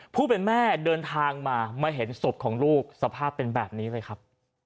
ผู้เป็นแม่เดินทางมามาเห็นศพของลูกสภาพเป็นแบบนี้เลยครับ